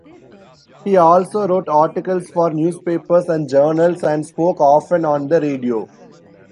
He also wrote articles for newspapers and journals and spoke often on the radio.